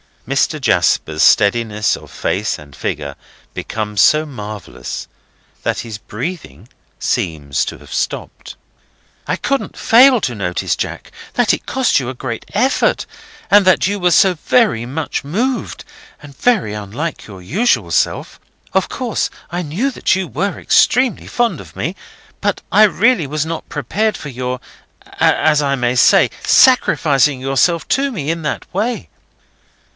Mr. Jasper's steadiness of face and figure becomes so marvellous that his breathing seems to have stopped. "I couldn't fail to notice, Jack, that it cost you a great effort, and that you were very much moved, and very unlike your usual self. Of course I knew that you were extremely fond of me, but I really was not prepared for your, as I may say, sacrificing yourself to me in that way."